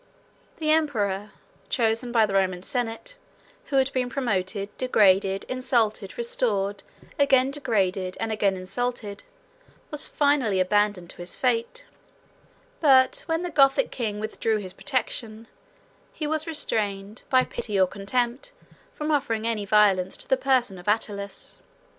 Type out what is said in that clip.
The emperor, chosen by the Roman senate, who had been promoted, degraded, insulted, restored, again degraded, and again insulted, was finally abandoned to his fate; but when the Gothic king withdrew his protection, he was restrained, by pity or contempt, from offering any violence to the person of Attalus.